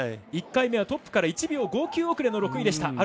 １回目はトップから１秒５９遅れでした。